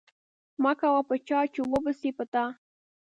مه کوه په چا، چي و به سي په تا.